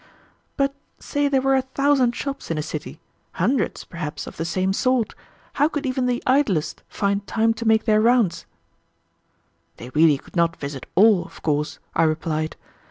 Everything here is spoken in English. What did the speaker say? "But say there were a thousand shops in a city, hundreds, perhaps, of the same sort, how could even the idlest find time to make their rounds?" "They really could not visit all, of course," I replied.